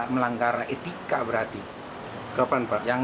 melanggar etika berarti